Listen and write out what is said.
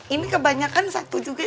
ini kebanyakan satu juga